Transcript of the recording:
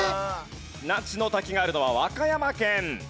那智の滝があるのは和歌山県。